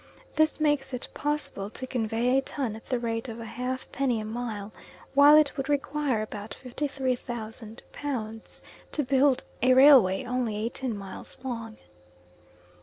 This makes it possible to convey a ton at the rate of a halfpenny a mile, while it would require about 53,000 pounds to build a railway only eighteen miles long."